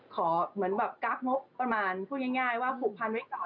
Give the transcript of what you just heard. เหมือนแบบกั๊กงบประมาณพูดง่ายว่าผูกพันไว้ก่อน